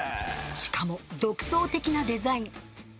しかも独創的なデザイン。